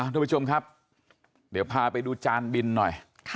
ทุกผู้ชมครับเดี๋ยวพาไปดูจานบินหน่อย